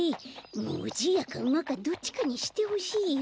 もうじいやかうまかどっちかにしてほしいよ。